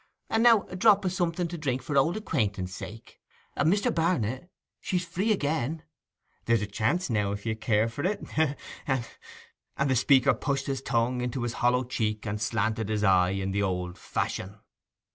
And now a drop of something to drink for old acquaintance' sake! And Mr. Barnet, she's again free—there's a chance now if you care for it—ha, ha!' And the speaker pushed his tongue into his hollow cheek and slanted his eye in the old fashion.